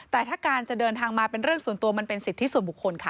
แต่ถ้าการจะเดินทางมาเป็นเรื่องส่วนตัวมันเป็นสิทธิส่วนบุคคลค่ะ